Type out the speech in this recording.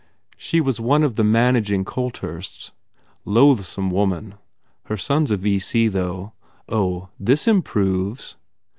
She was one of the manag ing Colthursts. Loathsome woman. Her son s a V.C. though. Oh, this improves!"